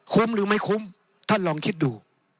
หรือไม่คุ้มท่านลองคิดดู